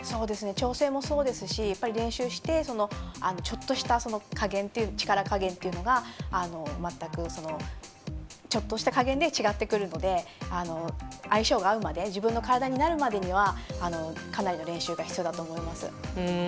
調整もそうですし練習して、ちょっとした力加減というのがちょっとした加減で違ってくるので相性が合うまで自分の体になるまでにはかなりの練習が必要だと思います。